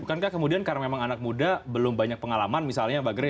bukankah kemudian karena memang anak muda belum banyak pengalaman misalnya mbak gray